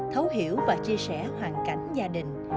thấu hiểu và chia sẻ hoàn cảnh gia đình